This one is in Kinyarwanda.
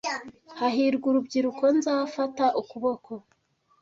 hahirwa urubyiruko nzafata ukuboko